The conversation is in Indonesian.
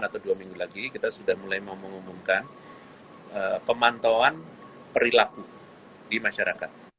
atau dua minggu lagi kita sudah mulai mau mengumumkan pemantauan perilaku di masyarakat